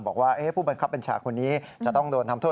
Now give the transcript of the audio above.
บอกว่าผู้บังคับบัญชาคนนี้จะต้องโดนทำโทษ